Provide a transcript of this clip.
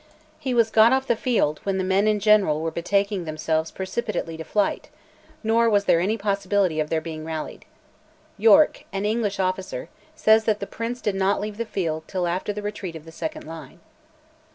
He "was got off the field when the men in general were betaking themselves precipitately to flight; nor was there any possibility of their being rallied." Yorke, an English officer, says that the Prince did not leave the field till after the retreat of the second line.